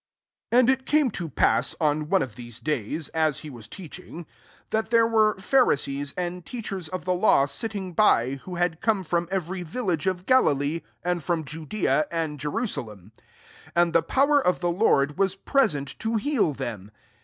17 And it came to pass, on one of these days, as he was teaching, that there were Phari sees and teachers of the law sitting hff who had come from every village of Galilee, and Jrom Judea, and Jerusalem; and the power of the I^ord waa fire* sent to heal them.